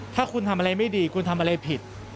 ถ้าคุณทำอะไรไม่ดีคุณทำอะไรผิด